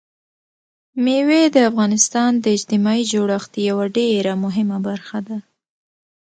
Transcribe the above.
مېوې د افغانستان د اجتماعي جوړښت یوه ډېره مهمه برخه ده.